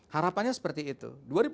harapannya seperti itu